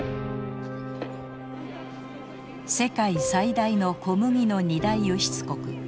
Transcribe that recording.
世界最大の小麦の２大輸出国